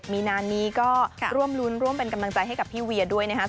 มีนานนี้ก็ร่วมรุ้นร่วมเป็นกำลังใจให้กับพี่เวียด้วยนะครับ